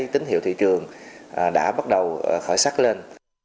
tín hiệu thị trường đã bắt đầu khởi sắc lên